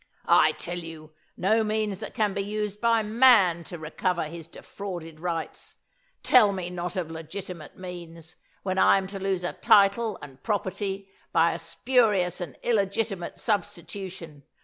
"I tell you, no means that can be used by man to recover his defrauded rights. Tell me not of legitimate means, when I am to lose a title and property by a spurious and illegitimate substitution!